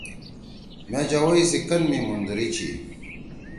مے جوَئی سی کن می مُوندری چھی۔